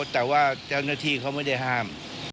แต่ว่าเจ้าหน้าที่เขาไม่ได้ห้าม